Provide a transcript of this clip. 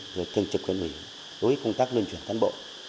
rồi thường trực huyện ủy đối với công tác luân chuyển cán bộ